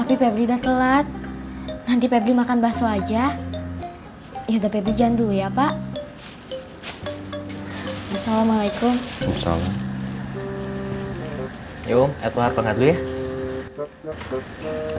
pebli belajar kelompok dulu ya pak